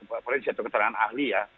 apalagi di satu keterangan ahli ya